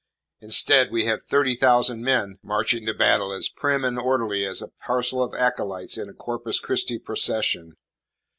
Instead, we have thirty thousand men, marching to battle as prim and orderly as a parcel of acolytes in a Corpus Christi procession.